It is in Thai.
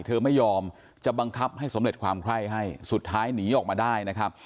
เธอไม่ยอมจะบังคับให้สำเร็จความไคร้ให้สุดท้ายหนีออกมาได้นะครับ